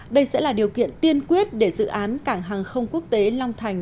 đây sẽ là điều kiện tiên quyết để dự án cảng hàng không quốc tế long thành